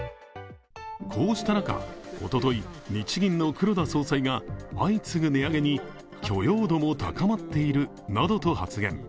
こうした中、おととい日銀の黒田総裁が相次ぐ値上げに許容度も高まっているなどと発言。